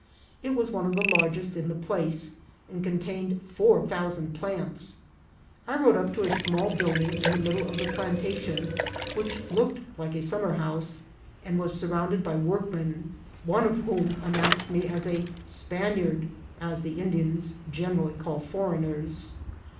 It was one of the largest in the place, and con tained four thousand plants. I rode up to a small build ing in the middle of the plantation, which looked like a summer house, and was surrounded by workmen, one of whom announced me as a " Spaniard," as the Indians generally call foreigners.